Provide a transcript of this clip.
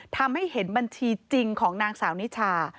ทำให้เห็นบัญชีจริงของนางสาวนิชา